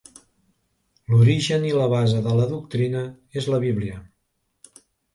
L'origen i la base de la doctrina és la Bíblia.